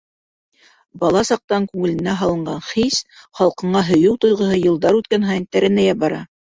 Бала саҡтан күңеленә һалынған хис — халҡыңа һөйөү тойғоһо йылдар үткән һайын тәрәнәйә бара.